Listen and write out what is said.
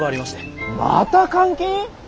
また監禁？